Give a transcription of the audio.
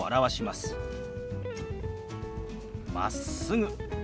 「まっすぐ」。